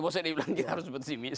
bukan saya dibilang kita harus pesimis